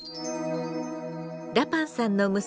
ラパンさんの娘